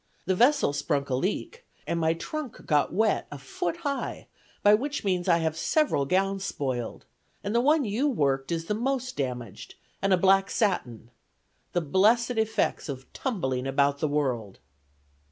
The vessel sprunk a leak, and my trunk got wet a foot high, by which means I have several gowns spoiled; and the one you worked is the most damaged, and a black satin; the blessed effects of tumbling about the world."